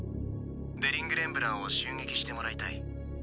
デリング・レンブランを襲撃してもらいたい。